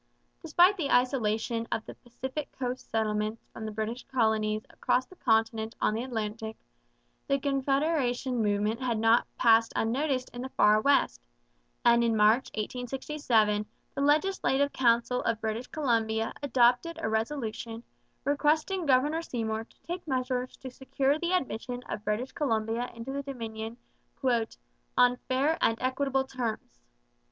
Despite the isolation of the Pacific coast settlements from the British colonies across the continent on the Atlantic, the Confederation movement had not passed unnoticed in the Far West; and in March 1867 the Legislative Council of British Columbia adopted a resolution requesting Governor Seymour to take measures to secure the admission of British Columbia into the Dominion 'on fair and equitable terms.'